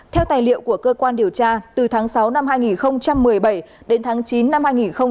theo tài liệu của cơ quan điều tra từ tháng sáu năm hai nghìn một mươi bảy đến tháng chín năm hai nghìn một mươi bảy